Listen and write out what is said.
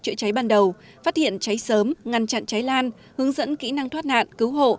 chữa cháy ban đầu phát hiện cháy sớm ngăn chặn cháy lan hướng dẫn kỹ năng thoát nạn cứu hộ